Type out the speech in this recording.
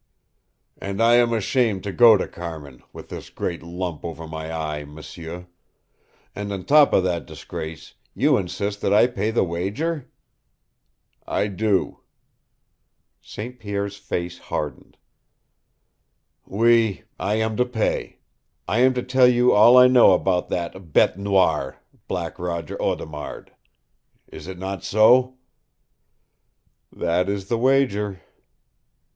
"And I am ashamed to go to Carmin with this great lump over my eye, m'sieu. And on top of that disgrace you insist that I pay the wager?" "I do." St. Pierre's face hardened. "OUI, I am to pay. I am to tell you all I know about that BETE NOIR Black Roger Audemard. Is it not so?" "That is the wager."